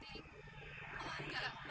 mbah tolong aku